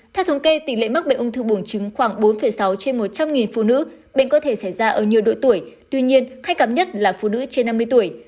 theo thống kê tỷ lệ mắc bệnh ung thư buồng trứng khoảng bốn sáu trên một trăm linh phụ nữ bệnh có thể xảy ra ở nhiều độ tuổi tuy nhiên khách cảm nhất là phụ nữ trên năm mươi tuổi